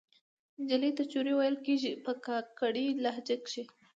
نجلۍ ته چورۍ ویل کیږي په کاکړۍ لهجه کښې